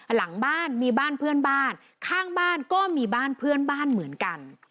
หลังบ้านมีบ้านเพื่อนบ้านข้างบ้านก็มีบ้านเพื่อนบ้านเหมือนกัน